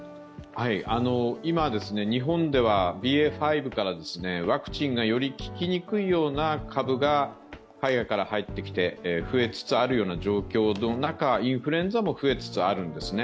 今、日本ではＢＡ．５から、ワクチンがより効きにくいような株が、海外から入ってきて増えつつあるような状況の中、インフルエンザも増えつつあるんですね。